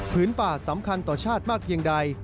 ป่าสำคัญต่อชาติมากเพียงใด